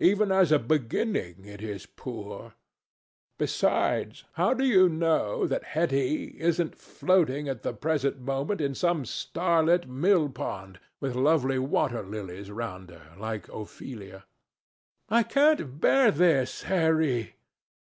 Even as a beginning, it is poor. Besides, how do you know that Hetty isn't floating at the present moment in some starlit mill pond, with lovely water lilies round her, like Ophelia?" "I can't bear this, Harry!